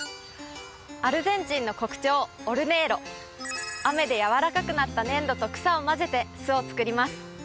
アルゼンチンの国鳥オルネーロ雨でやわらかくなった粘土と草を混ぜて巣を作ります